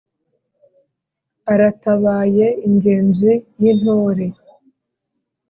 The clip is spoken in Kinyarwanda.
Aratabaye Ingenzi y'Intore